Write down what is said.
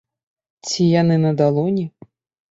Ці яны на далоні.